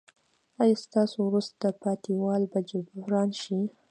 ایا ستاسو وروسته پاتې والی به جبران شي؟